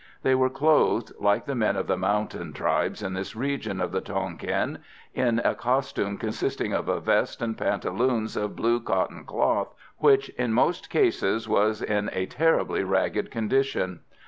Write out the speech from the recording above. They were clothed, like the men of the mountain tribes in this region of the Tonquin, in a costume consisting of a vest and pantaloons of blue cotton cloth, which, in most cases, was in a terribly ragged condition.